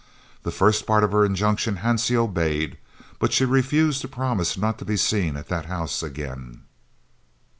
The first part of her injunctions Hansie obeyed, but she refused to promise not to be seen at that house again.